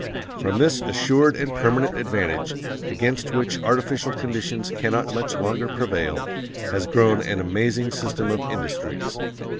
_ From this assured and permanent advantage, against which artificial conditions cannot much longer prevail, has grown an amazing system of industries.